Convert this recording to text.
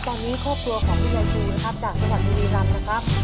ตอนนี้ครอบครัวของพี่ยาทีนะครับจากสถานที่วีรัมน์นะครับ